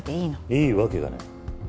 いいわけがない。